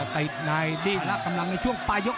พระรับกำลังในช่วงปลายก